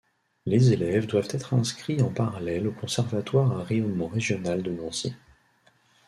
Les élèves doivent être inscrits en parallèle au conservatoire à rayonnement régional de Nancy.